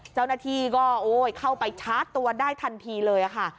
เจ้าหน้าที่ก็เข้าไปชาร์จตัวได้ทันทีเลยค่ะ